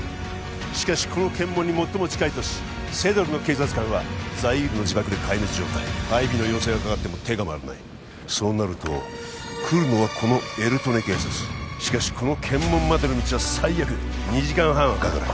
しかしこの検問に最も近い都市セドルの警察官はザイールの自爆で壊滅状態配備の要請がかかっても手が回らないそうなると来るのはこのエルトネ警察しかしこの検問までの道は最悪で２時間半はかかる